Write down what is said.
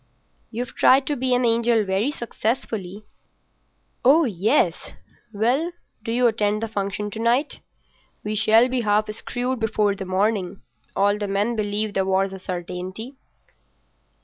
"You've tried to be an angel very successfully." "Oh ye—es!... Well, do you attend the function to night? We shall be half screwed before the morning. All the men believe the war's a certainty."